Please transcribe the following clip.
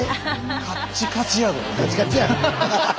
「カッチカチやぞ」ですよ。